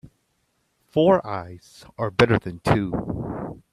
Four eyes are better than two.